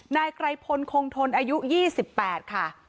นายไกรพลคงทนอายุ๒๘ค่ะ